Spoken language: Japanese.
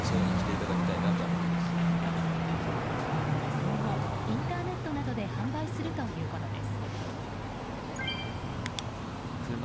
今後、インターネットなどで販売するということです。